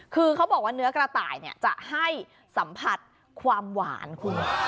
คือเขาบอกว่าเนื้อกระต่ายจะให้สัมผัสความหวานคุณ